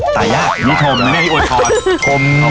ตายยาก